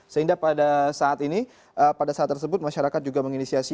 sehingga pada saat ini pada saat tersebut masyarakat juga menginisiasi